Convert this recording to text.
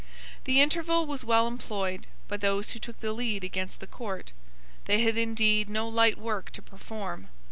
The interval was well employed by those who took the lead against the court. They had indeed no light work to perform.